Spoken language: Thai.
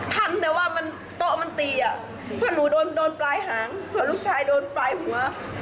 ทำแต่ว่ามันโต๊ะมันตีอ่ะเพื่อนหนูโดนโดนปลายหางส่วนลูกชายโดนปลายหัว